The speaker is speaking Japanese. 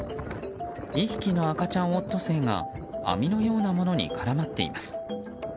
２匹の赤ちゃんオットセイが網のようなものに絡まっています。